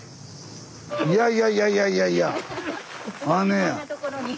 いやいやいやいやいやいや。